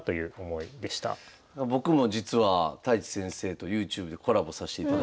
僕も実は太地先生とＹｏｕＴｕｂｅでコラボさしていただいて。